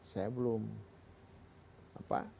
saya belum apa